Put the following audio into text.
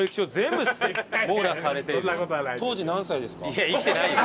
いや生きてないよ。